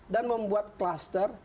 dan membuat kluster